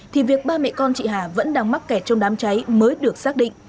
thì việc ba mẹ con chị hà vẫn đang mắc kẹt trong đám cháy mới được xác định